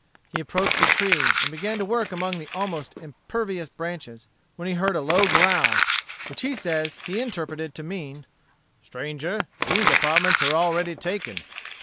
He approached the tree, and began to work among the almost impervious branches, when he heard a low growl, which he says he interpreted to mean, "Stranger, these apartments are already taken."